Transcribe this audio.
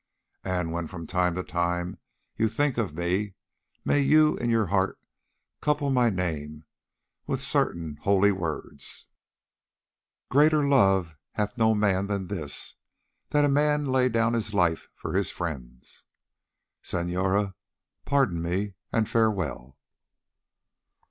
And when from time to time you think of me, may you in your heart couple my name with certain holy words: 'Greater love hath no man than this, that a man lay down his life for his friends.' Senora, pardon me and farewell."